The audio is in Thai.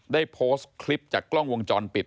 ได้โพสต์คลิปจากกล้องวงจรปิด